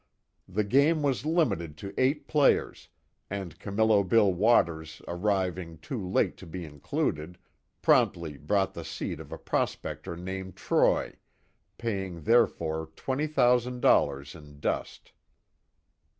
The game was limited to eight players, and Camillo Bill Waters arriving too late to be included, promptly bought the seat of a prospector named Troy, paying therefor twenty thousand dollars in dust.